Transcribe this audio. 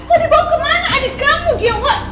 mau dibawa kemana adik kamu jenggo